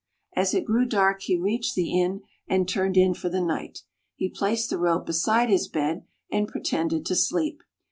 As it grew dark, he reached the inn, and turned in for the night. He placed the rope beside his bed, and pretended to be asleep.